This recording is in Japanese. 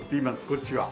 こっちは。